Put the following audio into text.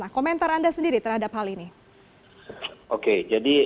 komentar anda sendiri terhadap hal ini